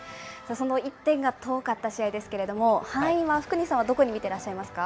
その１点が遠かった試合ですけれども、敗因は福西さんはどこに見てらっしゃいますか。